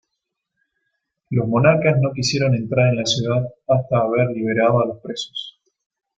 Los monarcas no quisieron entrar en la ciudad hasta haber liberado a los presos.